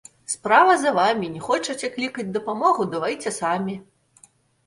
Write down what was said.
Справа за вамі, не хочаце клікаць дапамогу, давайце самі.